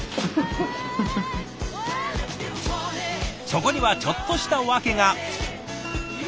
そこにはちょっとした訳が。